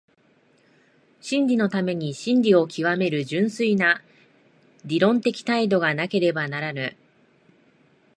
真理のために真理を究める純粋な理論的態度がなければならぬ。